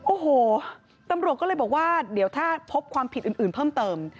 โอ้โหตำรวจก็เลยบอกว่าเดี๋ยวถ้าพบความผิดอื่นเพิ่มเติม